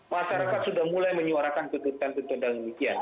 masyarakat sudah mulai menyuarakan tuntutan tuntutan yang demikian